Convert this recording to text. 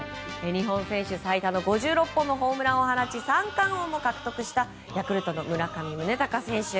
日本選手最多の５６本のホームランを放ち三冠王も獲得したヤクルトの村上宗隆選手。